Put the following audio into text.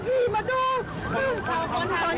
เจ้าของของช่วยด้วยช่วยด้วย